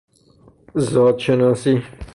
زادشناسی